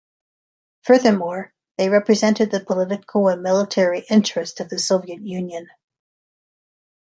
Furthermore, they represented the political and military interests of the Soviet Union.